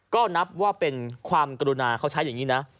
ก็นับว่าเป็นความกรุณาเขาใช้อย่างนี้นะ